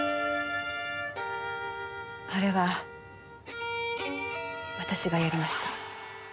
あれは私がやりました。